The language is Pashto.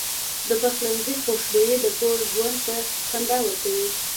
د پخلنځي خوشبويي د کور ژوند ته خندا ورکوي.